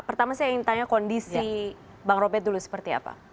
pertama saya ingin tanya kondisi bang robert dulu seperti apa